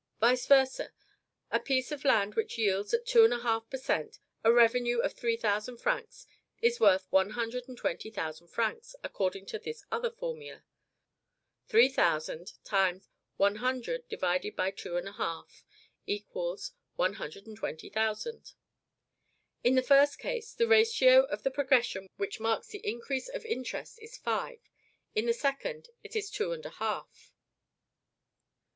Vice versa, a piece of land which yields, at two and a half per cent., a revenue of three thousand francs is worth one hundred and twenty thousand francs, according to this other formula; 3,000 x 100/ 2 1/2 = one hundred and twenty thousand. In the first case, the ratio of the progression which marks the increase of interest is five; in the second, it is two and a half.